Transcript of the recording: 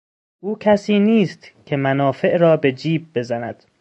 او کسی نیست که منافع را به جیب بزند.